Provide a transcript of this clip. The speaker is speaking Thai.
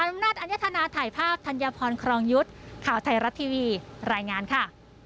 อำนาจอัญญธนาถ่ายภาพธัญพรครองยุทธ์ข่าวไทยรัฐทีวีรายงานค่ะ